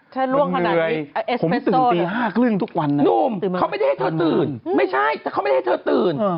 ถ้าล่วงขนาดนี้เอสเฟสโต้น่ะนุ่มเขาไม่ได้ให้เธอตื่นไม่ใช่แต่เขาไม่ได้ให้เธอตื่น